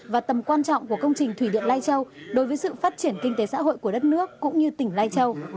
và tầm quan trọng của công trình thủy điện lai châu đối với sự phát triển kinh tế xã hội của đất nước cũng như tỉnh lai châu